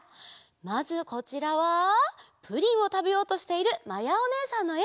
まずこちらはプリンをたべようとしているまやおねえさんのえ。